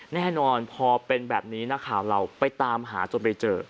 แน่นอนพอเป็นแบบนี้นักข่าวเราไปตามหาจนไปเจอ